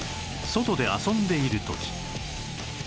外で遊んでいる時